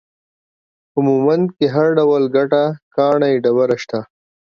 په مومند کې هر ډول ګټه ، کاڼي ، ډبره، شته